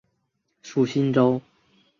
属新州。